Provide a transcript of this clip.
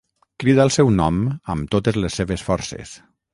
Crida el seu nom amb totes les seves forces.